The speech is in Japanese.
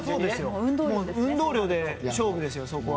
運動量で勝負ですよ。